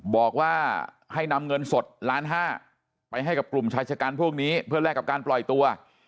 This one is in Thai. บอกว่าให้นำเงินสดล้านห้าไปให้กับกลุ่มชายชะกันพวกนี้เพื่อแลกกับการปล่อยตัว